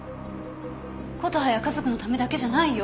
琴葉や家族のためだけじゃないよ？